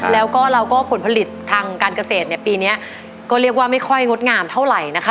แล้วก็เราก็ผลผลิตทางการเกษตรเนี่ยปีนี้ก็เรียกว่าไม่ค่อยงดงามเท่าไหร่นะคะ